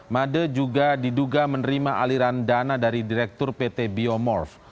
made juga diduga menerima aliran dana dari direktur pt biomorph